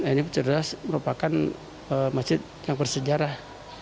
ini cerdas merupakan masjid yang bersejarah